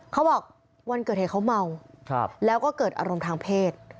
เขาบอกวันเกิดเหตุเขาเมาแล้วก็เกิดอารมณ์ทางเพศ